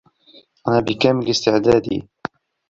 أنا بكامل استعدادي.